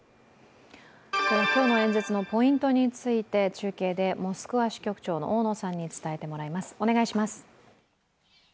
今日の演説のポイントについて中継でモスクワ支局長の大野さんに伝えてもらいます。